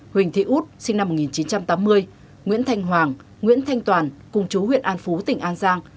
huỳnh thị út sinh năm một nghìn chín trăm tám mươi nguyễn thanh hoàng nguyễn thanh toàn cùng chú huyện an phú tỉnh an giang